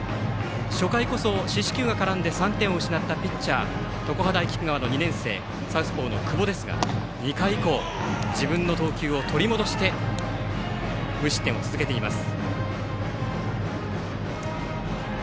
初回こそ四死球が絡んで３点を失ったピッチャー、常葉大菊川の２年生サウスポーの久保ですが２回以降自分の投球を取り戻して無失点を続けています。